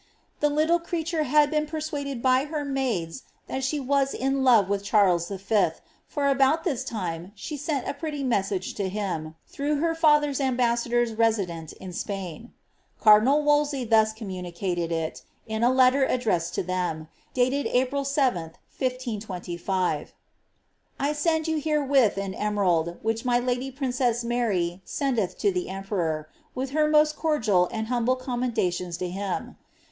The little creature had been persuaded by her maids that she was in love with Charles V., for about this time she sent a pretty message to him, through her father's UDbassadors resident in Spain. Cardinal VVolsey thus communicated it, IB a letter addressed to them, dated April 7, 1525 :—^ 1 send you her& vith an emerald, which my lady princess Mary sendeth to the emperor, vith her most cordial and humble commendations to him.